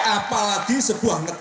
apalagi sebuah masyarakat